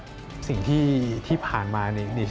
คือสิ่งที่จะทำให้เราเรียนรู้แล้วคือ